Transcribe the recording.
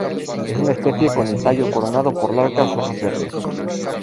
Es una especie con el tallo coronado por largas hojas verdes.